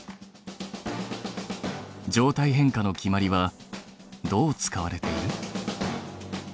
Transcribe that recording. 状態変化の決まりはどう使われている？